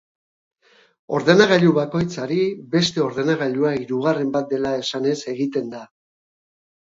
Ordenagailu bakoitzari, beste ordenagailua hirugarren bat dela esanez egiten da.